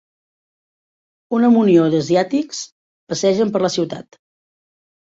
Una munió d'asiàtics passegen per la ciutat.